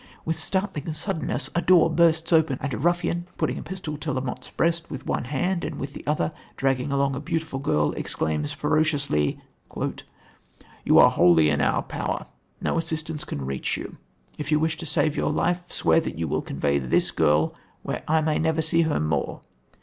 With startling suddenness, a door bursts open, and a ruffian, putting a pistol to La Motte's breast with one hand, and, with the other, dragging along a beautiful girl, exclaims ferociously, "You are wholly in our power, no assistance can reach you; if you wish to save your life, swear that you will convey this girl where I may never see her more...